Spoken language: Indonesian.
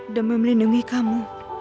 dan memelindungi kamu